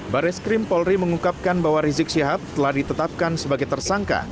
baris krim polri mengungkapkan bahwa rizik syihab telah ditetapkan sebagai tersangka